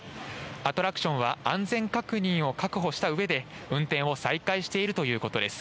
アトラクションは安全確認を確保したうえで、運転を再開しているということです。